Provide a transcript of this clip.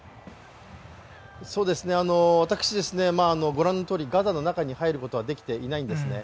私、ご覧のとおりガザの中に入ることはできていないんですね。